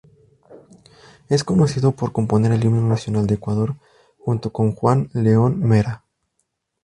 Es conocido por componer el himno nacional del Ecuador junto con Juan Leon Mera.